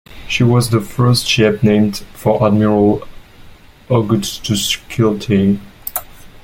She was the first ship named for Admiral Augustus Kilty.